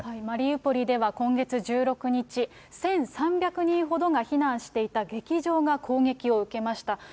マリウポリでは今月１６日、１３００人ほどが避難していた劇場が攻撃を受けました。